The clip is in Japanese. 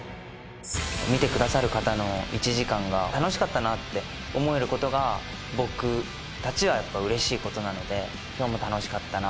見てくださる方の１時間が楽しかったなって思えることが僕たちはやっぱ嬉しいことなので今日も楽しかったな